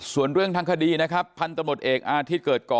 ส่วนเรื่องทางคดีนะครับพันธมตเอกอาทิตย์เกิดก่อ